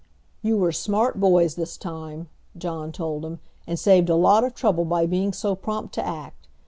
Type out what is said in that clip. "You were smart boys this time," John told him, "and saved a lot of trouble by being so prompt to act.